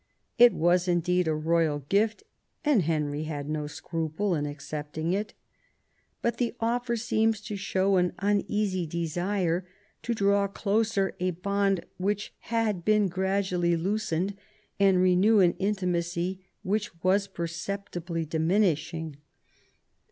It was indeed a royal gift, and Henry had no scruple in accepting it But the offer seems to show an uneasy desire to draw closer a bond which had been gradually loosened, and renew an intimacy which was perceptibly diminishing.